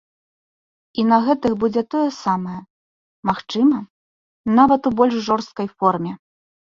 І на гэтых будзе тое самае, магчыма, нават у больш жорсткай форме.